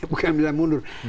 bukan bilang mundur